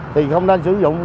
thì không nên sử dụng